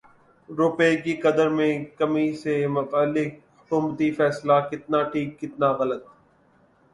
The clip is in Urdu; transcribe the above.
روپے کی قدر میں کمی سے متعلق حکومتی فیصلہ کتنا ٹھیک کتنا غلط